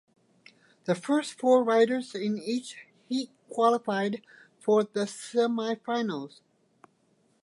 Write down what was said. The first four riders in each heat qualified for the semifinals.